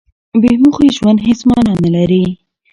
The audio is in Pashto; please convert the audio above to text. بې موخې ژوند هېڅ مانا نه لري.